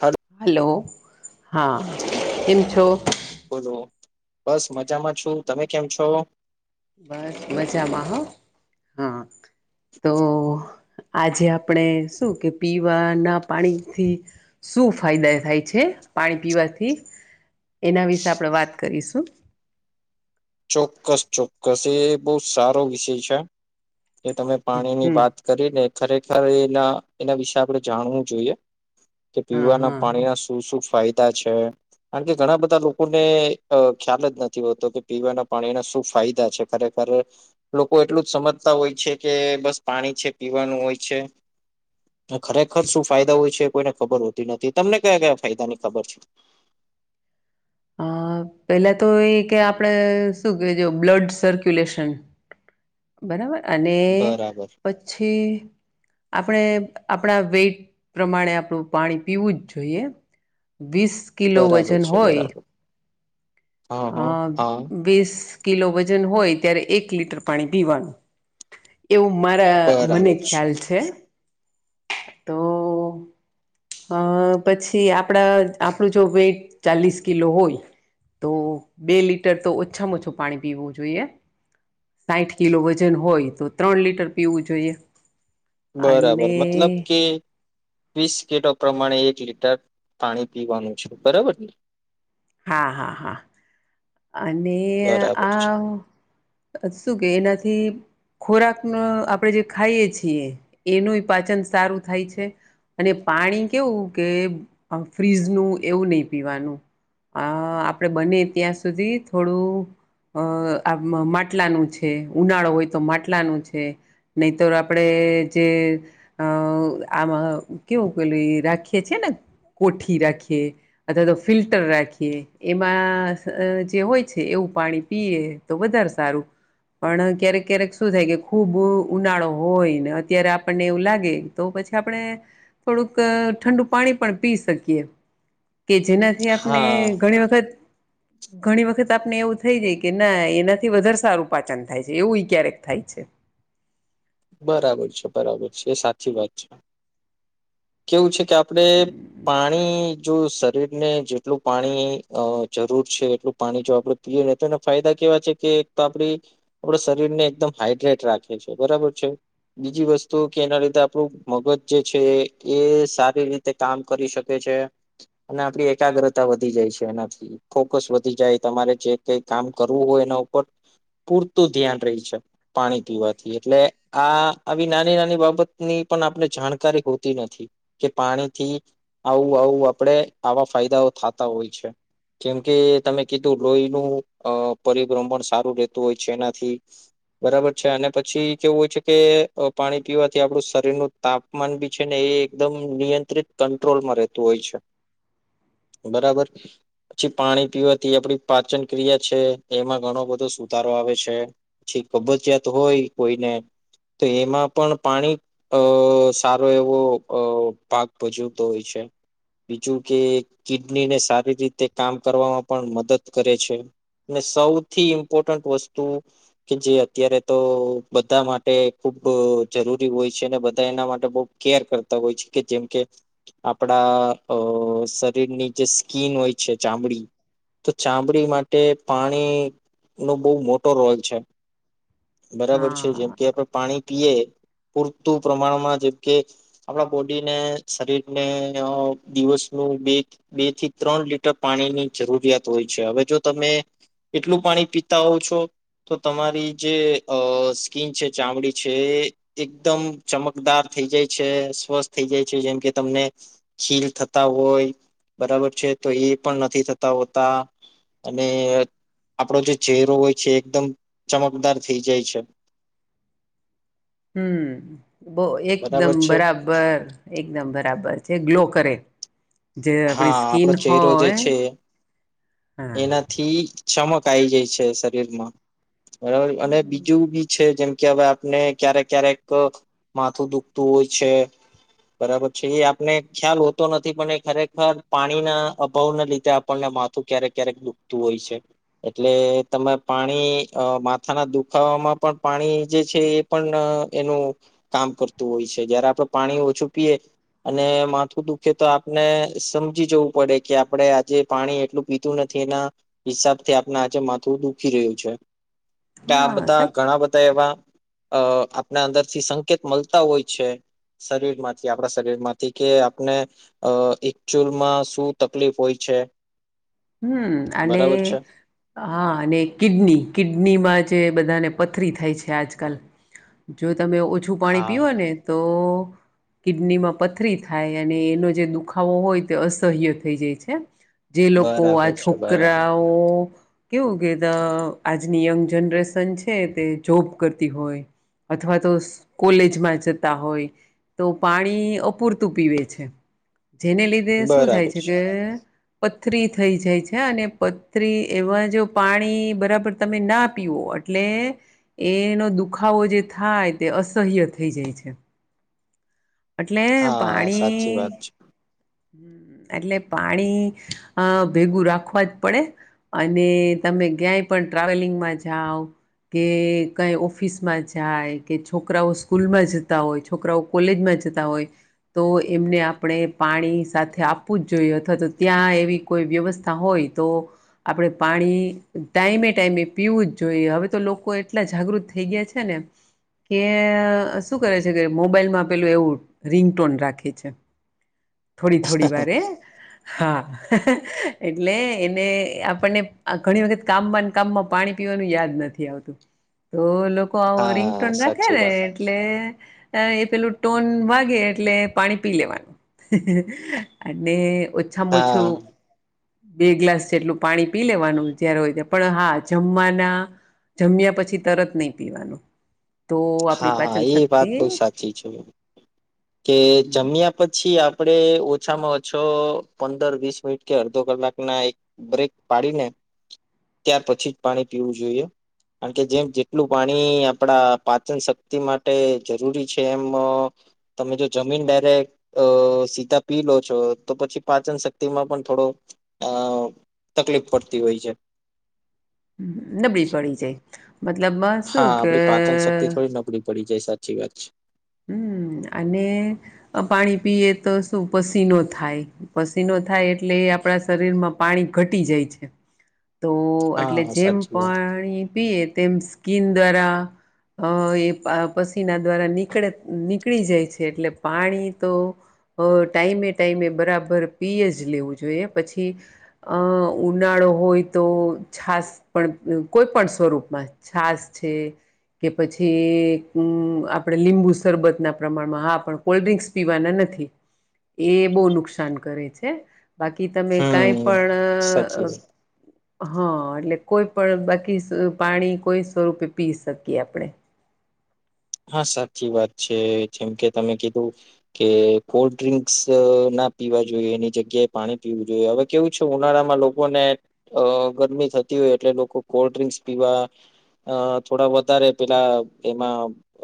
હાલ હલો હા કેમ છો બોલો બસ મજામાં છું તમે કેમ છો બસ મજામાં હ હા તો આજે આપણે શું કે પીવાના પાણીથી શું ફાયદા થાય છે પાણી પીવાથી એના વિશે આપણે વાત કરીશું ચોક્કસ ચોક્કસ એ બહુ સારો વિષય છે કે તમે પાણીની હમ વાત કરી ને ખરેખર એના એના વિશે આપણે જાણવું જોઈએ કે હા પીવાના હા પાણીના શું શું ફાયદા કારણ કે ઘણા બધા લોકોને ખ્યાલ જ નથી હોતો કે પીવાના પાણીના શું ફાયદા છે ખરેખર લોકો એટલું જ સમજતા હોય છે કે બસ પાણી છે પીવાનું હોય છે ખરેખર શું ફાયદા હોય છે કોઈને ખબર હોતી નથી તમને કયા કયા ફાયદા ની ખબર છે હા પેલા તો એ કે આપડેશું કે બ્લડ સર્ક્યુલેશન બરાબર અને બરાબર પછી આપણે આપણા વેટ પ્રમાણે આપણું પાણી પીવું જ જોઈએ વીસ કિલો બરાબર વજન છે હોય બરાબર હા હ હા હા બીસ કિલો વજન હોય ત્યારે એક લીટર પાણી પીવાનું એવું મારા મને ખ્યાલ છે તો અ પછી આપણા આપણું જો વેઇટ ચાલીસ કિલો હોય તો બે લીટર તો ઓછામાં ઓછું પાણી પીવું જોઈએ સાઠ કિલો વજન હોય તો ત્રણ લીટર પીવું જોઈએ બરાબર મતલબ અને કે વસટ પ્રમાણે એક લીટર પાણી પીવાનું છે બરાબર ને હા હા હા અને બરાબર છે આ શું કે નથી ખોરાક ન આપણેે જે ખાઈએ છીએ એનું પાચન સારું થાય છે અને પાણી કેવું કે ફ્રીજનું એવું નહીિ પીવાનું અ આપડે બને ત્યાં સુધી થોડું અ આ માટલાનું છે ઉનાળો હોય તો માટલાનું છે નહી તોર આપડે જે અ આમાં કેવું કેે રાખીએ છે ને કોઠી રાખીએ અથવા તો ફિલ્ટર રાખીએ એમાં જે હોય છે એવું પાણી પીએ તો વધારે સારું પણ ક્યારેક ક્યારેક શું થાય કે ખુબ ઉનાળો હોય ને અત્યારે આપણને એવું લાગે તોછ પછી આપણે થોડુંક ઠંડુ પાણી પણ પી શકીએ કે જેનાથી આપણે હા ઘણી વખત ઘણી વખત આપને એવું થઈ જાય કે ના એનાથી વધારે સારું પાચન થાય છે એવું ક્યારેક થાય છે [unintelligible] બરાબર છે બરાબર છે એ સાચી વાત છે કેવું છે કે આપડે પાણી જો શરીરને જેટલું પાણી જરૂર છે એટલું પાણી જો આપડણે પીએ તો એને ફાયદા કે આપ આપણા શરીરને એકદમ હાઈડ્રેટ રાખે છે બરાબર છે બીજી વસ્તુ કે એના લીધે આપડું મગજ જે છે એ સારી રીતે કામ કરી શકે છે અને આપ એકાગ્રતા વધી જાય છે એનાથી ફોકસ વધી જાય તમારે જે કઈ કામ કરવું હોય એના ઉપર પૂરતું ધ્યાન રહી છે પાણી પીવાથી એટલે આ આવી નાની નાની બાબતની પણ આપણે જાણકારી હોતી નથી કે પાણીથી આવું આવું આપડે આવા ફાયદાઓ થતા હોય છે કેમ કે તમે કીધું લોહીનું અ પરિભ્રમણ સારું રહેતું હોય છે એનાથી બરાબર છે અને પછી કેવું હોય છે કે પાણી પીવાથી આપડું શરીર નું તાપમાન બી છે ને એ એકદમ નિયંત્રિત કંટ્રોલ માં રહેતું હોય છે [inaudible] બરાબર પછી પાણી પીવાથી આપડી પાચન ક્રિયા છે એમાં ઘણો બધો સુધારો આવે આવે છે પછી કબજયાત હોય કોઈને તો એમાં પણ પાણી અ સારો એવો અ ભાગ ભજવતો હોય છે બીજું કે કિડની ને સારી રીતે કામ કરવામાં પણ મદદ કરે છે સૌથી ઇમ્પોર્ટન્ટ વસ્તુ કે જે અત્યારે તો બધા માટે ખુબ જરૂરી હોય છે અને બધા એના માટે બહ કેર કરતા હોય છે કે જેમ કે આપણા અ શરીરની જે સ્કીન હોય છે ચામડી તો ચામડી માટે પાણી નો બહુ મોટો રોલ છે બરાબર છે જેમ હા કે આપડે એે પૂરતું પ્રમાણમાં જેમ કે આપણા બોડીને શરીરને દિવસ બે બે થી ત્રણ લીટર પાણીની જરૂરિયાત હોય છે હવે જો તમે એટલું પાણી પીતા હોવ છો તો તમારી જે અ સ્કીન છે ચામડી છે એકદમ ચમકદાર થઈ જાય છે સ્વસ્થ થઈ જાય છે જેમ કે તમને ખીલ થતા હોય બરાબર છે તો એ પણ નથી થતા હોતા અને આપણો જે ચહેરો હોય છે એકદમ ચમકદાર થઈ જાય છે હમ બહ એકદમ બરાબર છે બરાબર એકદમ બરાબર છે ગ્લો કરે જે આપડી હા સ્કીિન આપણો ચહેરો જે હોય છે હા એનાથી ચમક આવી જાય છે શરીરમાં બરાબર અને બીજું બી છે જેમ કે હવે આપને ક્યારેક ક્યારેક માથું દુખતું હોય છે બરાબર છે એ આપને ખ્યાલ હોતો નથી પણ એ ખરેખર પાણીના અભાવને લીધે આપણને તો ક્યારેક ક્યારેક દુખતું હોય છે એટલે તમે પાણી માથાના દુખાવામાં પણ પાણી પાણી જે છે એ પણ એનું કામ કરતું હોય છે જયારે આપડ પાણી ઓછું પીએ અને માથું દુખે તો આપને સમજી જવું પડે કે આપડે આજે પાણી એટલું પીતું નથી એના હિસાબથી આપણે આજે માથું દુખી રહ્યું છે કે આ હા બધા સા ઘણા બધા એવા અ આપણા અંદરથી સંકેત મળતા હોય છે શરીર માંથી આપણા શરીર માંથી કે આપને અ એકચુઅલમાં શું તકલીફ હોય છે હમ અને બરાબર છે હા અને કિડની કિડનીમાં જે એ બધાને પથરી થાય છે આજકાલ જો તમે ઓછું પાણી પીઓ હા ને તો કિડનીમાં પથરી થાય અને એનો જે દુખાવો હોય તે અસહ્ય થઈ જાય છે જે લોકો આ બરાબર છે બરાબર છોકરાઓ કેવું કેતા આજની યંગ જનરેશન છે તે જોબ કરતી હોય અથવા તો કોલેજમાં જતા હોય તો પાણી અપૂરતું પીવે છે જેને લીધે શું થાય છે કે પથરી થઈ જાય છે અને પથરી એવા જો પાણી બરાબર તમે ના પીઓ એટલે એનો દુખાવો જે થાય તે અસહ્ય થઈ જાય છે એટલે હા પાણી સાચી વાત છે હ એટલે પાણી અ ભેગું રાખવા જ પડે અને તમે ક્યાંય પણ ટ્રાવેલિંગમાં જાઓ કે કઈ ઓફિસમાં જાય કે છોકરાઓ સ્કૂલ માં જતા હોય છોકરાઓ કોલેજમાં હોય તો એમને આપણે પાણી સાથે આપવું જ જોઈએ અથવા તો ત્યાં એવી કોઈ વ્યવસ્થા હોય તો આપણે પાણી ટાઈમે ટાઈમે પીવું જ જોઈએ હવે તો લોકો એટલા જાગૃત થઈ ગયા છે ને કે શું કરે છે કે મોબાઈલમાં પેલું એવું રિંગટોન રાખે છે થોડી થોડી વારે હા એટલે એને આપણને ઘણી વખત કામ બાંધકામમાં પાણી પીવાનું યાદ નથી આવ તો લોકો આવો હા રિંગોન રાખે સાચી ને વાત એટલે પેલું ટોન વાગે એટલે પાણી પી લેવાનું અને ઓછામાંછું હા બે ગ્લાસ જેટલું પાણી પી લેવાનું જય્યારે હોય ત પણ હા જમવાના જમ્યા પછી તરત નહીિ પીવાનું તો આપણી હા પાચન એ વાત શક્તિ બહુ સાચી છે કે હમ જમ્યા પછી પછી આપડે ઓછામાં ઓછો પંદર વીસ મિનિટ કે અડધો કલાકના એક બ્રેક પાડી ને ત્યાર પછી જ પાણી પીવું જોઈએ. કારણ કે જેમ જેટલું પાણી આપડા પાચનશક્તિ માટે જરૂરી છે એમ તમે જો જમીને ડાયરેક્ટ અ સીધા પી લો છો તો પછી પાચનશક્તિમાં પણ થોડો અ તકલીફ પડતી હોય છે. નબળી પડી જાય મતલબમાં શું હા કે આપડી પાચનશક્તિ થોડી નબળી પડી જાય સાચી વાત છે. હમ અને પાણી પીએ તો શું પસીનો થાય પસીનો થાય એટ એટલે એ આપણા શરીરમાં પાણી ઘટી જાય છે. તો એટલે હા જેમ સાચી વાત પાણી પીએ તેમ સ્કીન દ્વારા અ એ આ પસીના દ્વારા ની નીકળે નીકળી જાય છે એટલે પાણી તો અ ટાઈમે ટાઈમે બરાબર પી પીયજ લેવું જોઈએ પછી અ ઉનાળો હોય તો છાસ પણ ને કોઈપણ સ્વરૂપમાં છાસ છે કે પછી આ આપણે લીંબુ શરબતના પ્રમાણમાં હા પણ કોલ્ડ્રિંક્સ પીવાના નથી. એ બોવ નુકસાન કરે છે. બાકી તમે કાઈ હમ પણ સાચી વાત અ હ એટલે કોઈપણ બાકી પાણી કોઈ સ્વરૂપે પી શકીએ આપણે હા સાચી વાત છે જેમ કે તમે કીધું કે કોલ્ડ ડ્રિંક્સ અ ના ના પીવા જોઈએ એની જગ્યાએ પાણી પીવું જોઈએ હવે કેવું છુ ઉનાળામાં લોકોને અ ગરમી થતી તી હોય એટલે લોકો કોલ્ડ ડ્રિક્સ પીવા અ થોડા વધારે પેલા એમાં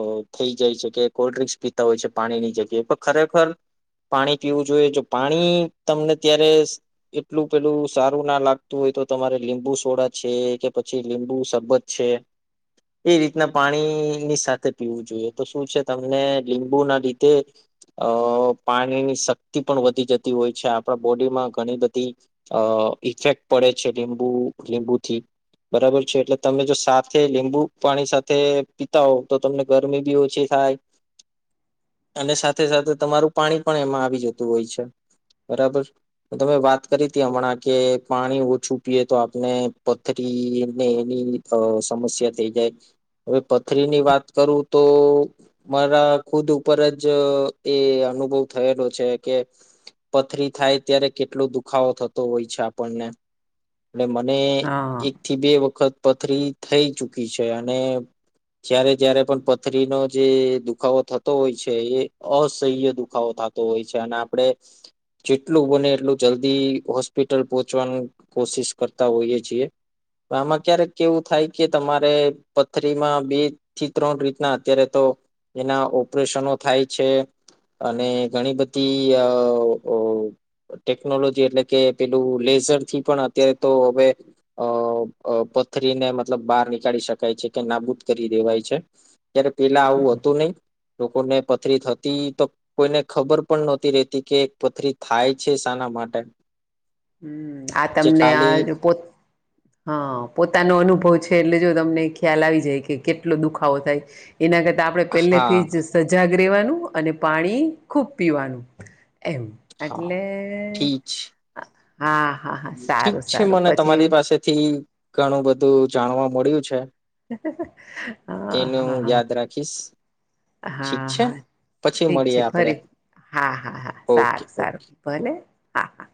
અ થઈ જાય છે કે કોલડ ડ્રિંક્સ પીતા હોય છે પાણીની જગ્યાએ પણ ખરેખર પાણી પીવું જોઈએ જો પાણી તમને ત્યારે એટલું પેલું સારું ના લાગતું હોય તો તમારે લીંબુ સોડા છે કે પછી લીંબુ શરબત છે. એ રીતના પાણી ની સાથે પીવું જોઈએ તો શું છે તમને લીંબુના લીધે અ પાણીની શક્તિ પણ વધી જતી હોય છે આપણા બોડીમાં ઘણી બધી અ ઇફેક્ટ પડે છે લીંબુ લીંબુથી બરાબર છે એટલે તમે જો સાથે લીંબુ પાણી સાથે પીતા હો તો તમને ગરમી બી ઓછી થાય. અને સાથે સાથે તમારું પાણી પણ એમાં આવી જતું હોય છે બરાબર તમે વાત કરી હતી હમણાં કે પાણી ઓછું પીએ તો આપને પથરીને એની સમસ્યા થઈ જાય હવે પથરીની વાત કરું તો મારા ખુદ ઉપર જ એ અનુભવ થયેલો છે કે પથરી થાય ત્યારે કેટલો દુખાવો થતો હોય છે આપણને એટલે મને હા એકથી બે વખત પથરી થઈ ચુકી છે અને જયારે જયારે પણ પથરીનો જે દુખાવો થતો હોય છે એ અસહ્ય દુખાવો થતો હોય છે અને આપડે જેટલું બને એટલું જલ્દી હોસ્પિટલ પહોંચવાનું કોશિશ કરતા હોઈએ છીએ. આમાં ક્યારેક એવું થાય કે તમારે પથરીમાં બે થી ત્રણ રીતના અત્યારે તો એના ઓપરેશનો થાય છે. અને ઘણી બધી અ ટેકનોલોજી એટલે કે પેલું લેઝરથી પણ અત્યારે તો હવે અ અ પથરીને મતલબ બહાર નીકાળી શકાય છે કે નાબૂદ કરી દેવાય છે. ત્યારે પેલા આવું હતું નઈ લોકોને પથરી થતી તો કોઈને ખબર પણ નોતી રેતી કે પથરી થાય છે શાના માટે હમ આ જે તમને ખાલી આ પો હા પોતાનો અનુભવ છે છેલ્લે જો તમને ખ્યાલ આવી જાય કે કેટલો દુખાવો થાય એના કરતા આપણે પહેલેથી હા જ સજાગ રહેેવાનું અને પાણી ખૂબ પીવાનું એમ હા એટલે ઠીક છે હા હા હા ઠીક સારું છે સારું મને પછી તમારી પાસેથી ઘણું બધું જાણવા મળ્યું છે હા એનું હા હા યાદ રાખીશ ઠીક હા છે હા પછી ઠીક છે મળીએ આપડે ફરી હા હા હા ઓકે સારું સારુંલે હા હા